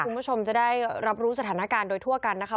คุณผู้ชมจะได้รับรู้สถานการณ์โดยทั่วกันนะคะ